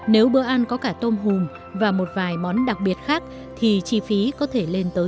nếu bữa ăn có cả tôm hùm và một vài món đặc biệt khác thì chi phí có thể lên tới một mươi usd